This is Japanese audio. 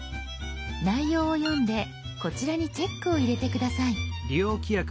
内容を読んでこちらにチェックを入れて下さい。